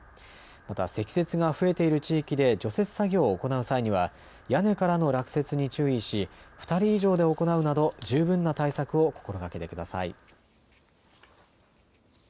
また積雪が増えている地域で除雪作業を行う際には屋根からの落雪に注意し２人以上で行うなど十分な対策を心がけてください。